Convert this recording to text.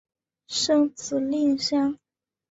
生子令香。